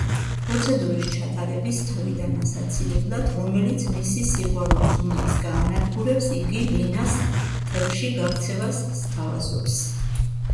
პროცედურის ჩატარების თავიდან ასაცილებლად, რომელიც მისი სიყვარულის უნარს გაანადგურებს, იგი ლინას ტევრში გაქცევას სთავაზობს.